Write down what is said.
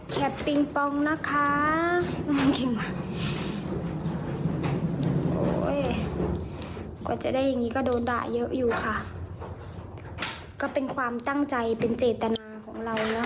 กว่าจะได้อย่างงี้ก็โดนด่าเยอะอยู่ค่ะก็เป็นความตั้งใจเป็นเจตนาของเรานะ